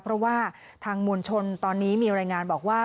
เพราะว่าทางมวลชนตอนนี้มีรายงานบอกว่า